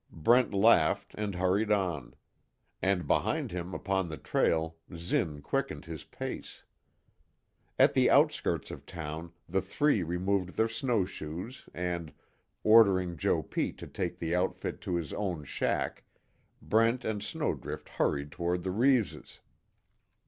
Brent laughed, and hurried on. And behind him upon the trail Zinn quickened his pace. At the outskirts of town the three removed their snowshoes and, ordering Joe Pete to take the outfit to his own shack, Brent and Snowdrift hurried toward the Reeves'.